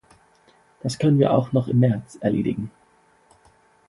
Das können wir auch noch im März erledigen.